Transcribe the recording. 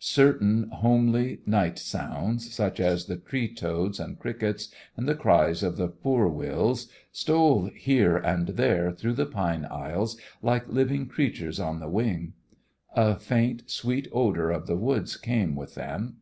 Certain homely night sounds, such as the tree toads and crickets and the cries of the poor wills, stole here and there through the pine aisles like living creatures on the wing. A faint, sweet odour of the woods came with them.